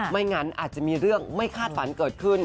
ไม่งั้นอาจจะมีเรื่องไม่คาดฝันเกิดขึ้น